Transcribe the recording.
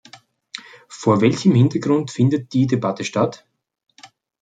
Vor welchem Hintergrund findet die Debatte statt?